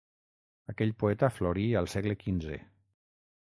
Aquell poeta florí al segle quinze.